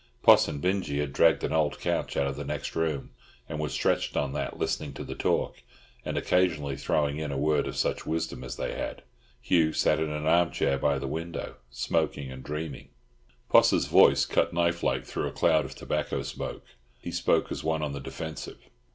Poss and Binjie had dragged an old couch out of the next room and were stretched on that, listening to the talk, and occasionally throwing in a word of such wisdom as they had. Hugh sat in an armchair by the window, smoking and dreaming. Poss's voice cut knife like through a cloud of tobacco smoke. He spoke as one on the defensive.